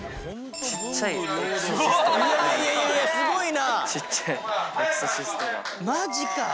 すごいな！